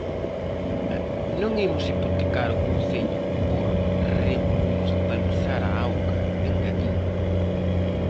"Non imos hipotecar o Concello por remunicipalizar a auga", engadiu.